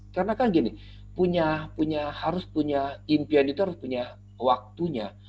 karena kan gini punya punya harus punya impian itu harus punya waktunya